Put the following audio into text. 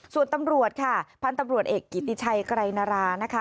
ส่วนตำรวจค่ะพันธ์ตำรวจเอกกิติไชยกรายนารา